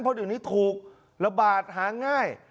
เพราะเดี๋ยวนี้ถูกระบาดหาง่าย